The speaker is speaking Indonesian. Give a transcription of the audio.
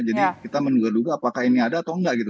jadi kita menduga duga apakah ini ada atau enggak gitu